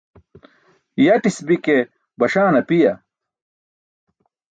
Yatis bi ke baṣaan apiya?